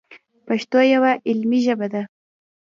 پښتو یوه علمي ژبه ده.